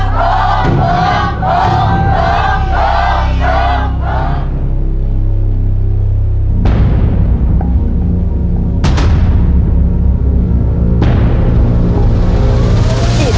ดีข้อใช้